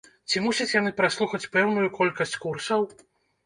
Ці мусяць яны праслухаць пэўную колькасць курсаў?